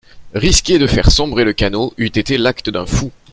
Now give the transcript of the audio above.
Risquer de faire sombrer le canot eût été l'acte d'un fou.